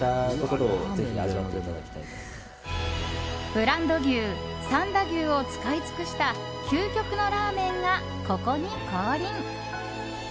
ブランド牛三田牛を使い尽くした究極のラーメンが、ここに降臨！